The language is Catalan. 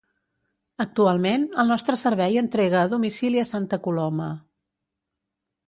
Actualment el nostre servei entrega a domicili a Santa Coloma.